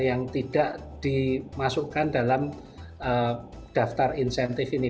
yang tidak dimasukkan dalam daftar insentif ini